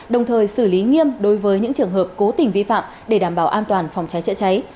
đồng thời xử lý nghiêm đối với những trường hợp cố tình vi phạm để đảm bảo an toàn phòng cháy chữa cháy